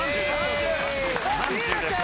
３０です。